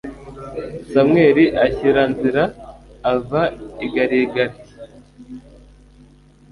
samweli ashyiranzira ava i giligali